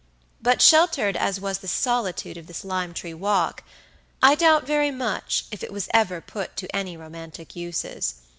But sheltered as was the solitude of this lime tree walk, I doubt very much if it was ever put to any romantic uses.